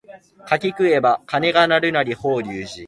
柿食えば鐘が鳴るなり法隆寺